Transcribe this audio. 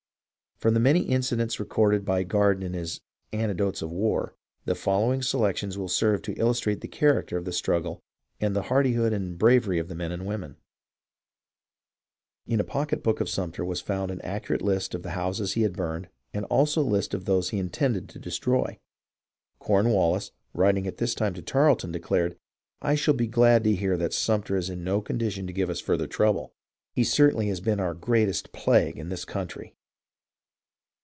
From the many incidents recorded by Garden in his "Anecdotes of the War," the following selections will serve to illustrate the character of the struggle and the hardihood and bravery of the men and women. In a pocket book of Sumter was found an accurate list of the houses he had burned and also a list of those he intended to destroy. Cornwallis, writing at this time to Tarleton, declared, " I shall be glad to hear that Sumter is in no condition to give us further trouble — he certainly has been otwx greatest plague in this country."